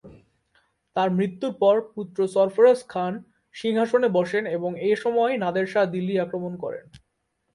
তার মৃত্যুর পর পুত্র সরফরাজ খান সিংহাসনে বসেন এবং এ সময়ই নাদের শাহ দিল্লি আক্রমণ করেন।